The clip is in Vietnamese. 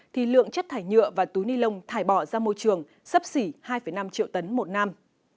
thì lượng chất thải nhựa và túi ni lông thải bỏ ra môi trường sắp xỉ hai năm triệu tấn một năm